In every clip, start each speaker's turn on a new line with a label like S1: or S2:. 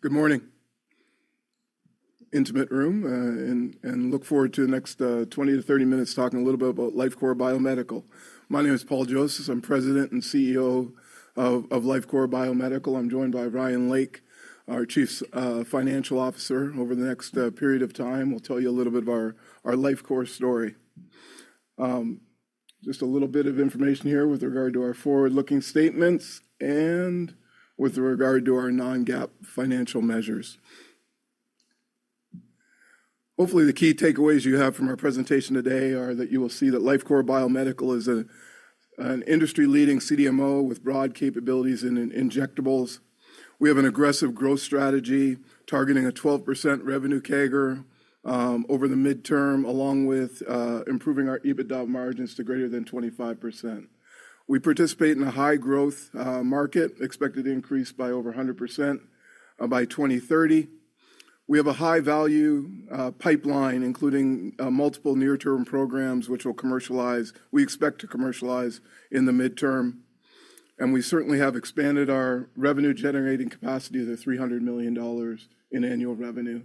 S1: Good morning. Intimate room, and look forward to the next 20 to 30 minutes talking a little bit about Lifecore Biomedical. My name is Paul Josephs. I'm President and CEO of Lifecore Biomedical. I'm joined by Ryan Lake, our Chief Financial Officer. Over the next period of time, we'll tell you a little bit of our Lifecore story. Just a little bit of information here with regard to our forward-looking statements and with regard to our non-GAAP financial measures. Hopefully, the key takeaways you have from our presentation today are that you will see that Lifecore Biomedical is an industry-leading CDMO with broad capabilities in injectables. We have an aggressive growth strategy targeting a 12% revenue CAGR over the midterm, along with improving our EBITDA margins to greater than 25%. We participate in a high-growth market, expected to increase by over 100% by 2030. We have a high-value pipeline, including multiple near-term programs which we expect to commercialize in the midterm. We certainly have expanded our revenue-generating capacity to $300 million in annual revenue.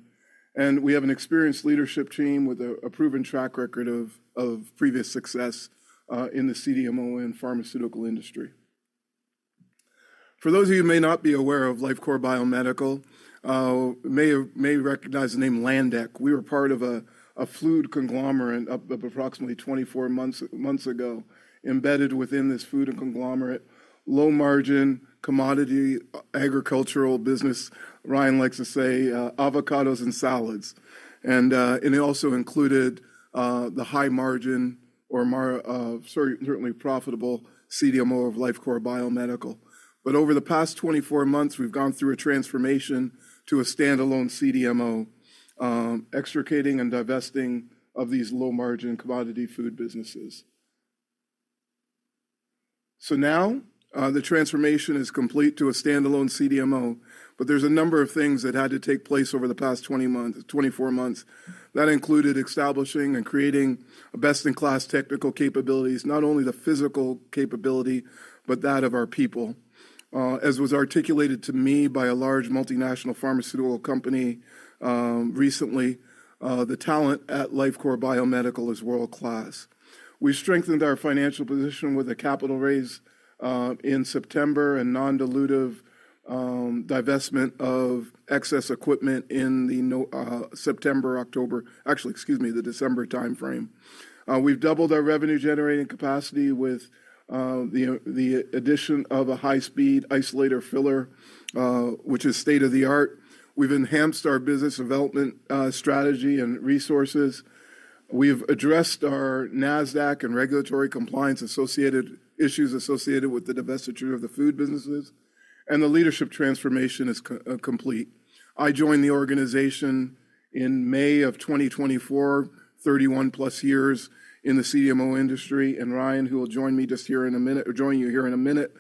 S1: We have an experienced leadership team with a proven track record of previous success in the CDMO and pharmaceutical industry. For those of you who may not be aware of Lifecore Biomedical, you may recognize the name Landec. We were part of a food conglomerate up to approximately 24 months ago, embedded within this food conglomerate: low-margin, commodity, agricultural business. Ryan likes to say avocados and salads. It also included the high-margin, or certainly profitable, CDMO of Lifecore Biomedical. Over the past 24 months, we've gone through a transformation to a standalone CDMO, extricating and divesting of these low-margin, commodity food businesses. Now the transformation is complete to a standalone CDMO. There are a number of things that had to take place over the past 24 months. That included establishing and creating best-in-class technical capabilities, not only the physical capability, but that of our people. As was articulated to me by a large multinational pharmaceutical company recently, the talent at Lifecore Biomedical is world-class. We strengthened our financial position with a capital raise in September and non-dilutive divestment of excess equipment in the September, October, actually, excuse me, the December timeframe. We have doubled our revenue-generating capacity with the addition of a high-speed isolator filler, which is state-of-the-art. We have enhanced our business development strategy and resources. We have addressed our Nasdaq and regulatory compliance issues associated with the divestiture of the food businesses. The leadership transformation is complete. I joined the organization in May of 2024, 31-plus years in the CDMO industry. Ryan, who will join me just here in a minute, or join you here in a minute,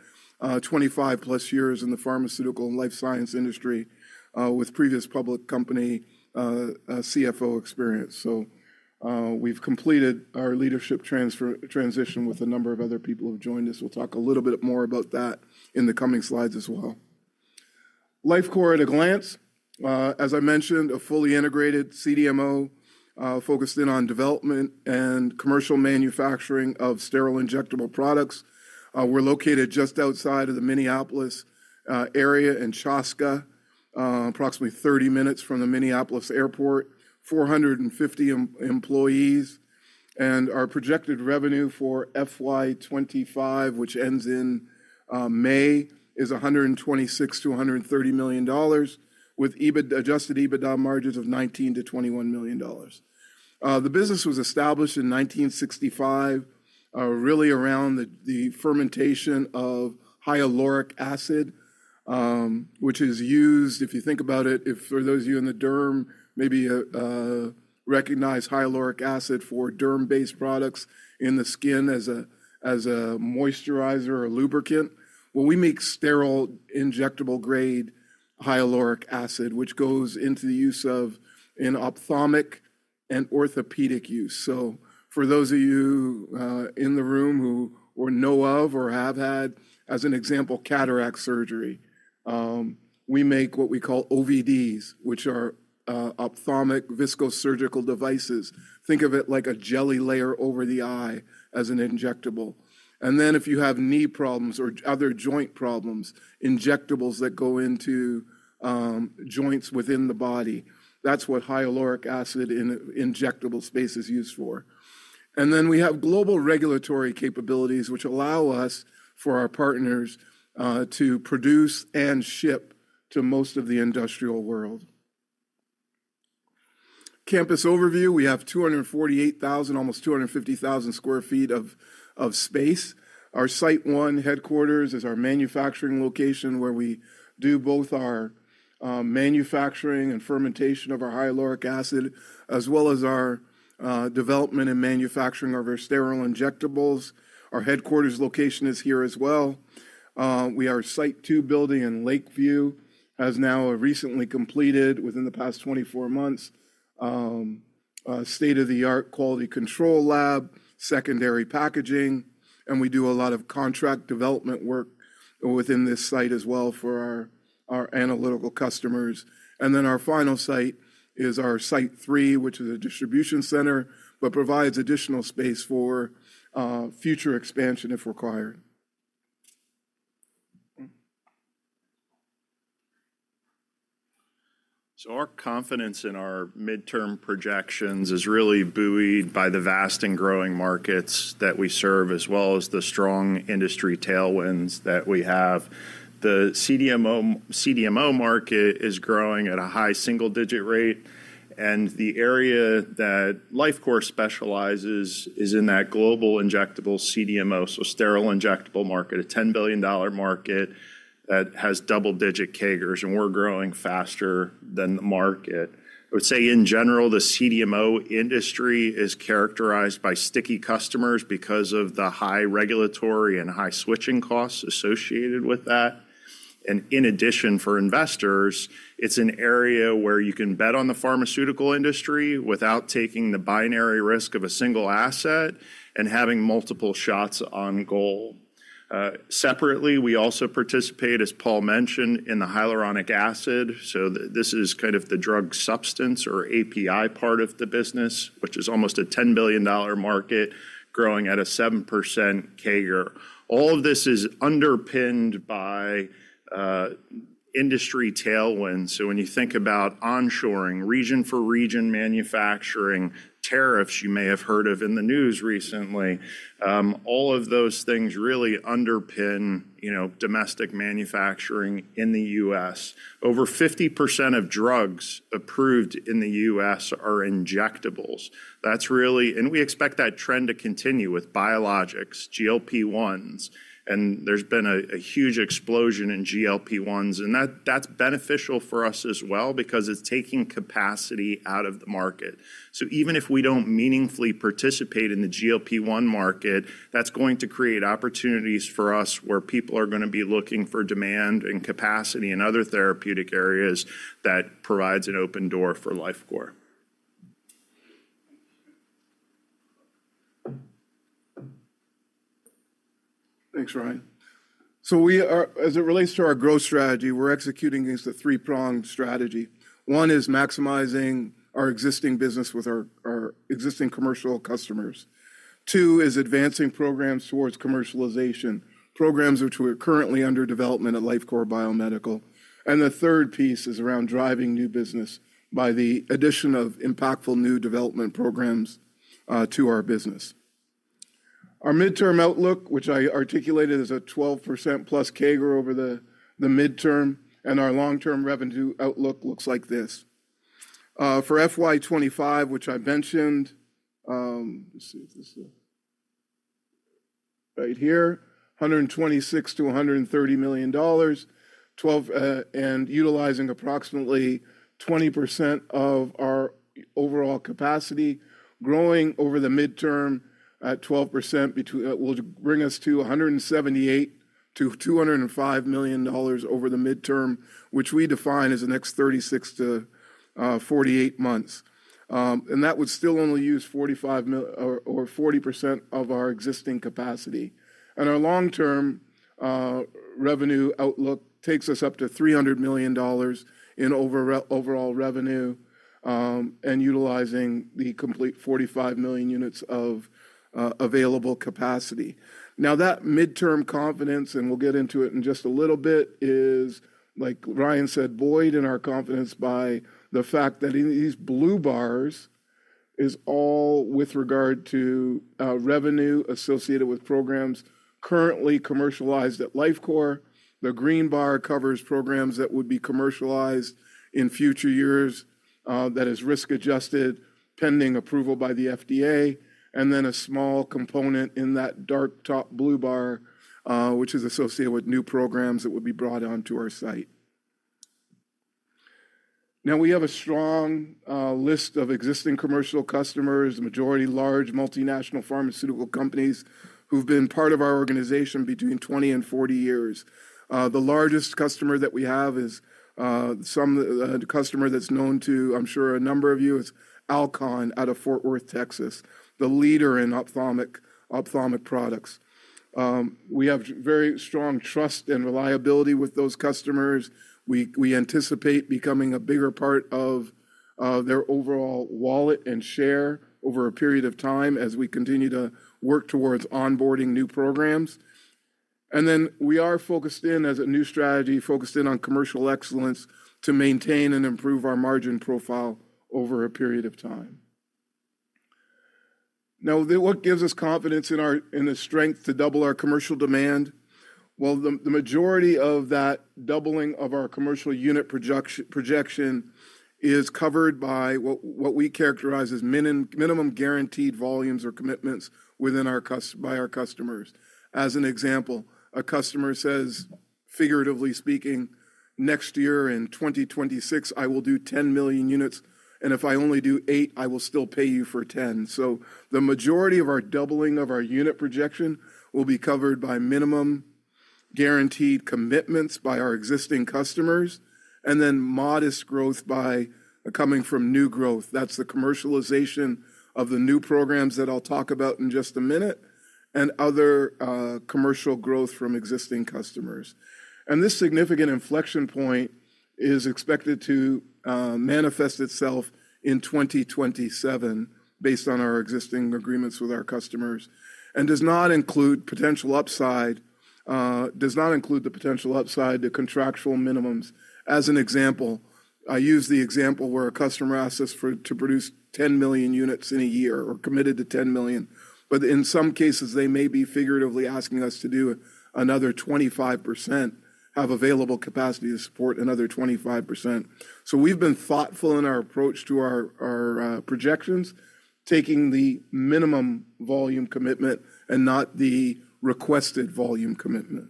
S1: 25-plus years in the pharmaceutical and life science industry with previous public company CFO experience. We have completed our leadership transition with a number of other people who have joined us. We will talk a little bit more about that in the coming slides as well. Lifecore at a glance, as I mentioned, a fully integrated CDMO focused in on development and commercial manufacturing of sterile injectable products. We are located just outside of the Minneapolis area in Chaska, approximately 30 minutes from the Minneapolis airport, 450 employees. Our projected revenue for FY25, which ends in May, is $126-$130 million, with adjusted EBITDA margins of $19-$21 million. The business was established in 1965, really around the fermentation of hyaluronic acid, which is used, if you think about it, for those of you in the derm, maybe recognize hyaluronic acid for derm-based products in the skin as a moisturizer or a lubricant. Well, we make sterile injectable-grade hyaluronic acid, which goes into the use of in ophthalmic and orthopedic use. For those of you in the room who know of or have had, as an example, cataract surgery, we make what we call OVDs, which are ophthalmic viscosurgical devices. Think of it like a jelly layer over the eye as an injectable. If you have knee problems or other joint problems, injectables that go into joints within the body, that's what hyaluronic acid in injectable space is used for. We have global regulatory capabilities, which allow us, for our partners, to produce and ship to most of the industrial world. Campus overview, we have 248,000, almost 250,000 sq ft of space. Our Site 1 headquarters is our manufacturing location where we do both our manufacturing and fermentation of our hyaluronic acid, as well as our development and manufacturing of our sterile injectables. Our headquarters location is here as well. Our Site 2 building in Lakeville has now recently completed within the past 24 months a state-of-the-art quality control lab, secondary packaging. We do a lot of contract development work within this site as well for our analytical customers. Our final site is our Site 3, which is a distribution center, but provides additional space for future expansion if required.
S2: Our confidence in our midterm projections is really buoyed by the vast and growing markets that we serve, as well as the strong industry tailwinds that we have. The CDMO market is growing at a high single-digit rate. The area that Lifecore specializes in is that global injectable CDMO, so sterile injectable market, a $10 billion market that has double-digit CAGRs. We're growing faster than the market. I would say, in general, the CDMO industry is characterized by sticky customers because of the high regulatory and high switching costs associated with that. In addition, for investors, it's an area where you can bet on the pharmaceutical industry without taking the binary risk of a single asset and having multiple shots on goal. Separately, we also participate, as Paul mentioned, in the hyaluronic acid. This is kind of the drug substance or API part of the business, which is almost a $10 billion market, growing at a 7% CAGR. All of this is underpinned by industry tailwinds. When you think about onshoring, region-for-region manufacturing, tariffs you may have heard of in the news recently, all of those things really underpin domestic manufacturing in the U.S. Over 50% of drugs approved in the U.S. are injectables. We expect that trend to continue with biologics, GLP-1s. There has been a huge explosion in GLP-1s. That is beneficial for us as well because it is taking capacity out of the market. Even if we do not meaningfully participate in the GLP-1 market, that is going to create opportunities for us where people are going to be looking for demand and capacity in other therapeutic areas that provides an open door for Lifecore.
S1: Thanks, Ryan. As it relates to our growth strategy, we're executing against a three-pronged strategy. One is maximizing our existing business with our existing commercial customers. Two is advancing programs towards commercialization, programs which are currently under development at Lifecore Biomedical. The third piece is around driving new business by the addition of impactful new development programs to our business. Our midterm outlook, which I articulated, is a 12%+ CAGR over the midterm. Our long-term revenue outlook looks like this. For FY2025, which I mentioned, let's see if this is right here, $126-$130 million, and utilizing approximately 20% of our overall capacity, growing over the midterm at 12%, which will bring us to $178-$205 million over the midterm, which we define as the next 36-48 months. That would still only use 40% of our existing capacity. Our long-term revenue outlook takes us up to $300 million in overall revenue and utilizing the complete 45 million units of available capacity. That midterm confidence, and we'll get into it in just a little bit, is, like Ryan said, buoyed in our confidence by the fact that in these blue bars is all with regard to revenue associated with programs currently commercialized at Lifecore. The green bar covers programs that would be commercialized in future years that is risk-adjusted pending approval by the FDA. A small component in that dark top blue bar is associated with new programs that would be brought onto our site. We have a strong list of existing commercial customers, the majority large multinational pharmaceutical companies who've been part of our organization between 20 and 40 years. The largest customer that we have is some customer that's known to, I'm sure a number of you, is Alcon out of Fort Worth, Texas, the leader in ophthalmic products. We have very strong trust and reliability with those customers. We anticipate becoming a bigger part of their overall wallet and share over a period of time as we continue to work towards onboarding new programs. We are focused in, as a new strategy, focused in on commercial excellence to maintain and improve our margin profile over a period of time. What gives us confidence in the strength to double our commercial demand? The majority of that doubling of our commercial unit projection is covered by what we characterize as minimum guaranteed volumes or commitments by our customers. As an example, a customer says, figuratively speaking, "Next year in 2026, I will do 10 million units. If I only do eight, I will still pay you for 10. The majority of our doubling of our unit projection will be covered by minimum guaranteed commitments by our existing customers, and then modest growth coming from new growth. That is the commercialization of the new programs that I will talk about in just a minute, and other commercial growth from existing customers. This significant inflection point is expected to manifest itself in 2027 based on our existing agreements with our customers and does not include potential upside, does not include the potential upside to contractual minimums. As an example, I use the example where a customer asks us to produce 10 million units in a year or committed to 10 million. In some cases, they may be figuratively asking us to do another 25%, have available capacity to support another 25%. We have been thoughtful in our approach to our projections, taking the minimum volume commitment and not the requested volume commitment.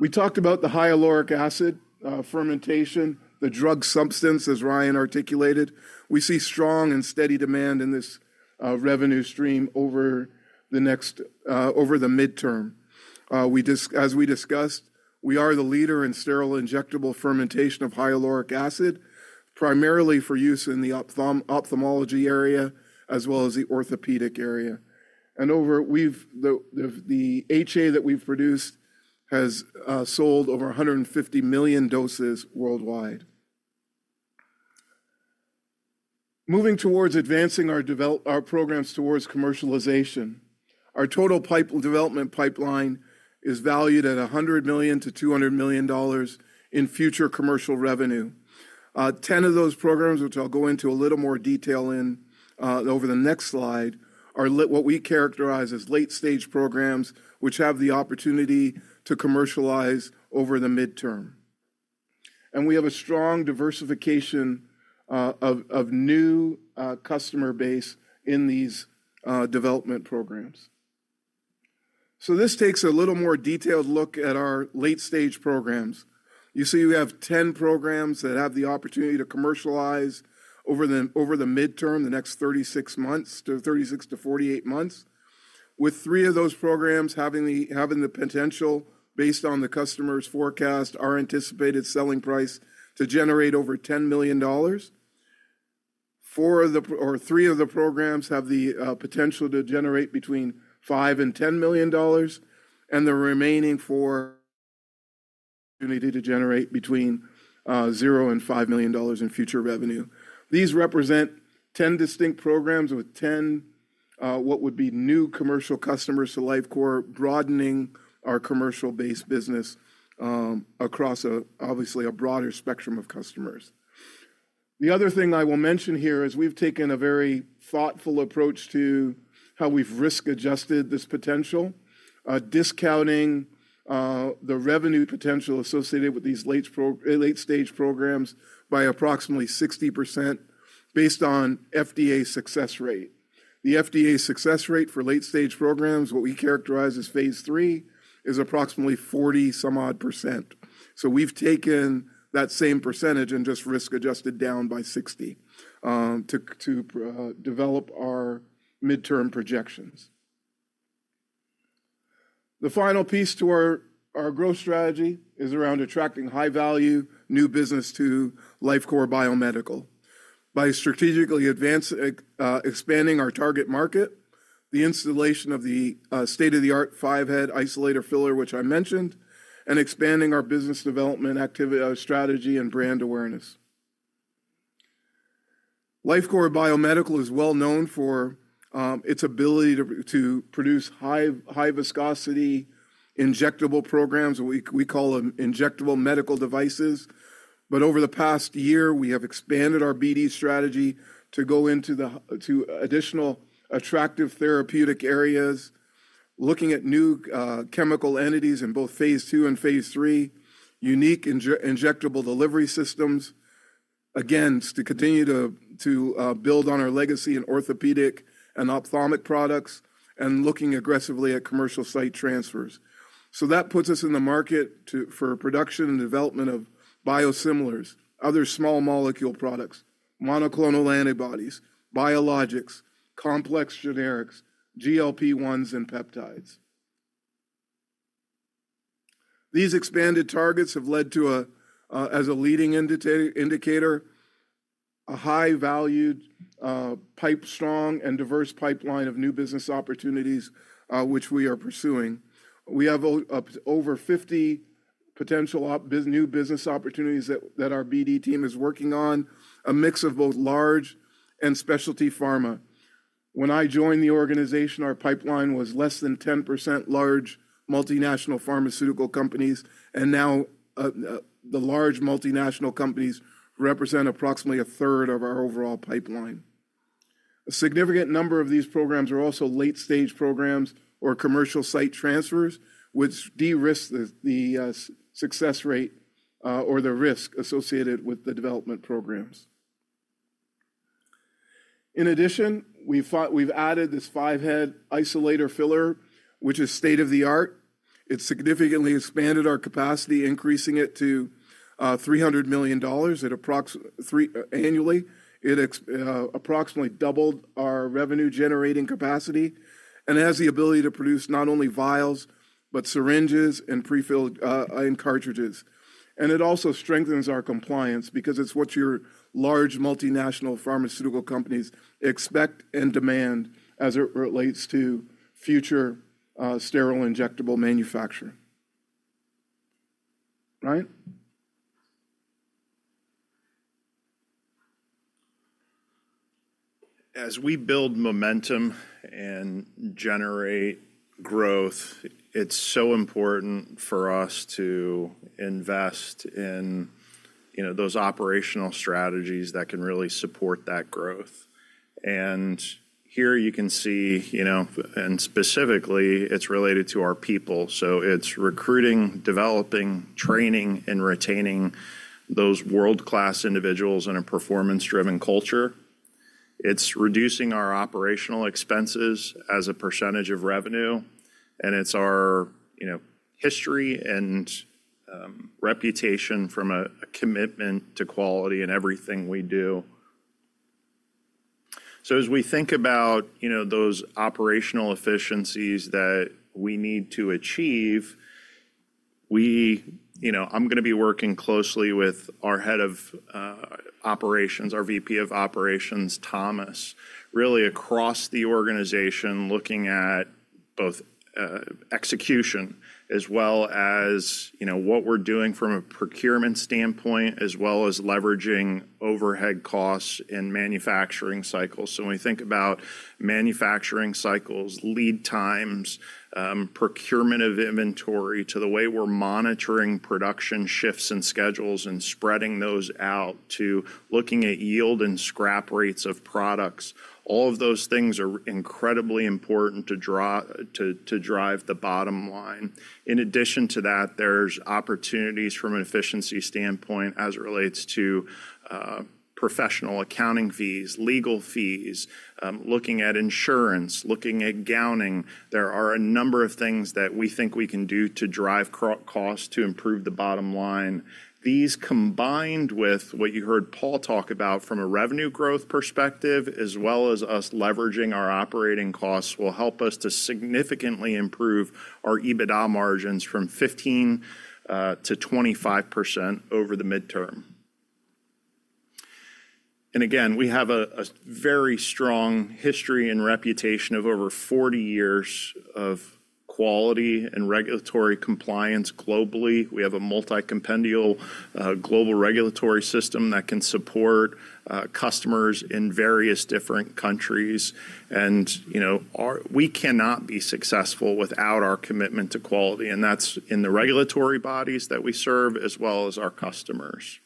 S1: We talked about the hyaluronic acid fermentation, the drug substance, as Ryan articulated. We see strong and steady demand in this revenue stream over the midterm. As we discussed, we are the leader in sterile injectable fermentation of hyaluronic acid, primarily for use in the ophthalmology area as well as the orthopedic area. The HA that we have produced has sold over 150 million doses worldwide. Moving towards advancing our programs towards commercialization, our total development pipeline is valued at $100 million-$200 million in future commercial revenue. Ten of those programs, which I will go into a little more detail in over the next slide, are what we characterize as late-stage programs, which have the opportunity to commercialize over the midterm. We have a strong diversification of new customer base in these development programs. This takes a little more detailed look at our late-stage programs. You see we have 10 programs that have the opportunity to commercialize over the midterm, the next 36-48 months, with three of those programs having the potential, based on the customer's forecast, our anticipated selling price to generate over $10 million. Three of the programs have the potential to generate between $5 million and $10 million, and the remaining four need to generate between $0 and $5 million in future revenue. These represent 10 distinct programs with 10 what would be new commercial customers to Lifecore, broadening our commercial-based business across, obviously, a broader spectrum of customers. The other thing I will mention here is we've taken a very thoughtful approach to how we've risk-adjusted this potential, discounting the revenue potential associated with these late-stage programs by approximately 60% based on FDA success rate. The FDA success rate for late-stage programs, what we characterize as Phase 3, is approximately 40-some odd percent. We've taken that same percentage and just risk-adjusted down by 60% to develop our midterm projections. The final piece to our growth strategy is around attracting high-value new business to Lifecore Biomedical by strategically expanding our target market, the installation of the state-of-the-art five-head isolator filler, which I mentioned, and expanding our business development strategy and brand awareness. Lifecore Biomedical is well known for its ability to produce high-viscosity injectable programs, what we call injectable medical devices. Over the past year, we have expanded our BD strategy to go into additional attractive therapeutic areas, looking at new chemical entities in both Phase 2 and Phase 3, unique injectable delivery systems, again, to continue to build on our legacy in orthopedic and ophthalmic products, and looking aggressively at commercial site transfers. That puts us in the market for production and development of biosimilars, other small molecule products, monoclonal antibodies, biologics, complex generics, GLP-1s, and peptides. These expanded targets have led to, as a leading indicator, a high-valued, pipe-strong, and diverse pipeline of new business opportunities, which we are pursuing. We have over 50 potential new business opportunities that our BD team is working on, a mix of both large and specialty pharma. When I joined the organization, our pipeline was less than 10% large multinational pharmaceutical companies. The large multinational companies represent approximately a third of our overall pipeline. A significant number of these programs are also late-stage programs or commercial site transfers, which de-risk the success rate or the risk associated with the development programs. In addition, we've added this five-head isolator filler, which is state-of-the-art. It's significantly expanded our capacity, increasing it to $300 million annually. It approximately doubled our revenue-generating capacity and has the ability to produce not only vials, but syringes and prefilled cartridges. It also strengthens our compliance because it's what your large multinational pharmaceutical companies expect and demand as it relates to future sterile injectable manufacture. Ryan?
S2: As we build momentum and generate growth, it's so important for us to invest in those operational strategies that can really support that growth. Here you can see, and specifically, it's related to our people. It's recruiting, developing, training, and retaining those world-class individuals in a performance-driven culture. It's reducing our operational expenses as a percentage of revenue. It's our history and reputation from a commitment to quality in everything we do. As we think about those operational efficiencies that we need to achieve, I'm going to be working closely with our Head of Operations, our VP of Operations, Thomas, really across the organization, looking at both execution as well as what we're doing from a procurement standpoint, as well as leveraging overhead costs in manufacturing cycles. When we think about manufacturing cycles, lead times, procurement of inventory, to the way we're monitoring production shifts and schedules and spreading those out to looking at yield and scrap rates of products, all of those things are incredibly important to drive the bottom line. In addition to that, there's opportunities from an efficiency standpoint as it relates to professional accounting fees, legal fees, looking at insurance, looking at gowning. There are a number of things that we think we can do to drive costs to improve the bottom line. These, combined with what you heard Paul talk about from a revenue growth perspective, as well as us leveraging our operating costs, will help us to significantly improve our EBITDA margins from 15%-25% over the midterm. Again, we have a very strong history and reputation of over 40 years of quality and regulatory compliance globally. We have a multi-compendial global regulatory system that can support customers in various different countries. We cannot be successful without our commitment to quality. That is in the regulatory bodies that we serve, as well as our customers.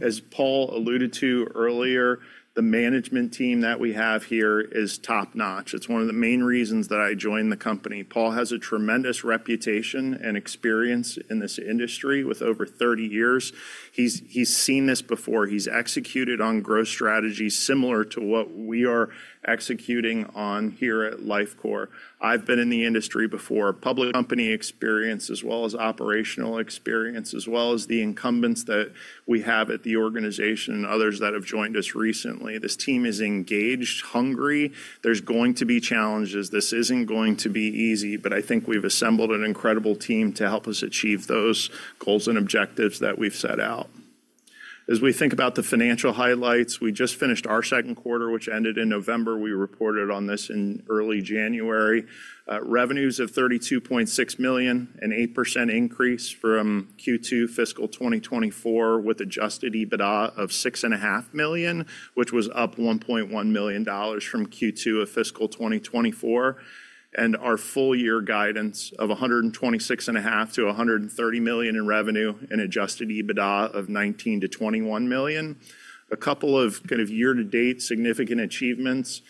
S2: As Paul alluded to earlier, the management team that we have here is top-notch. It is one of the main reasons that I joined the company. Paul has a tremendous reputation and experience in this industry with over 30 years. He has seen this before. He has executed on growth strategies similar to what we are executing on here at Lifecore. I have been in the industry before, public company experience, as well as operational experience, as well as the incumbents that we have at the organization and others that have joined us recently. This team is engaged, hungry. There are going to be challenges. This is not going to be easy. I think we've assembled an incredible team to help us achieve those goals and objectives that we've set out. As we think about the financial highlights, we just finished our second quarter, which ended in November. We reported on this in early January. Revenues of $32.6 million, an 8% increase from Q2 fiscal 2024, with adjusted EBITDA of $6.5 million, which was up $1.1 million from Q2 of fiscal 2024. Our full-year guidance of $126.5-$130 million in revenue and adjusted EBITDA of $19-$21 million. A couple of kind of year-to-date significant achievements.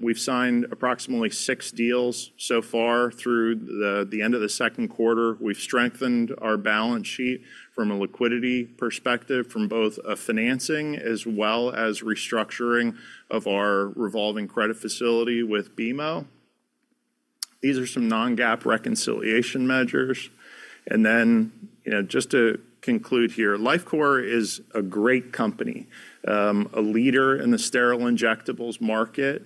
S2: We've signed approximately six deals so far through the end of the second quarter. We've strengthened our balance sheet from a liquidity perspective from both financing as well as restructuring of our revolving credit facility with BMO. These are some non-GAAP reconciliation measures. To conclude here, Lifecore is a great company, a leader in the sterile injectables market.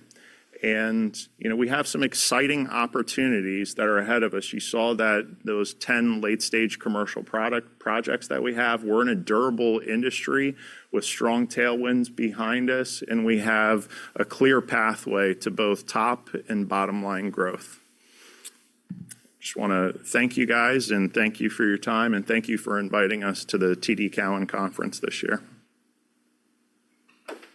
S2: We have some exciting opportunities that are ahead of us. You saw that those 10 late-stage commercial projects that we have were in a durable industry with strong tailwinds behind us. We have a clear pathway to both top and bottom-line growth. Just want to thank you guys, and thank you for your time, and thank you for inviting us to the TD Cowen Conference this year.